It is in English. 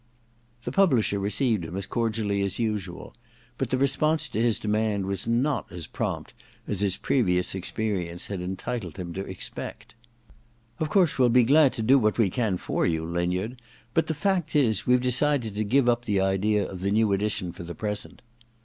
The publisher received him as cordially as usual ; but the response to his demand was not as prompt as his previous experience had entitled him to expect. * Of course we'll be glad to do what we can for you, Linyard ; but the fact is, we've decided to give up the idea of the new edition for the present.'